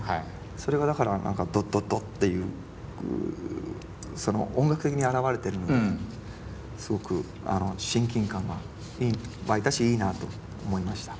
それがだから何か「ドッドッドッ」ていう音楽的に表れているのですごく親近感が湧いたしいいなと思いました。